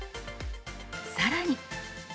さらに。